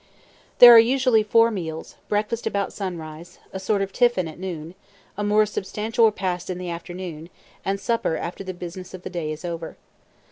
There are usually four meals: breakfast about sunrise; a sort of tiffin at noon; a more substantial repast in the afternoon; and supper after the business of the day is over.